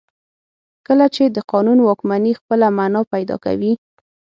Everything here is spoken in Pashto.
کله چې د قانون واکمني خپله معنا پیدا کوي.